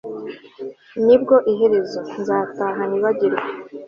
nibyo, iherezo. nzataha nibagirwe